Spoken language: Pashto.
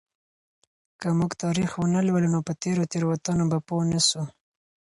که موږ تاریخ ونه لولو نو په تېرو تېروتنو به پوه نسو.